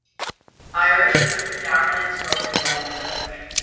Irish is the predominant spoken language.